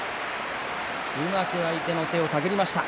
うまく相手の手を手繰りました。